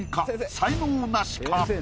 才能ナシか？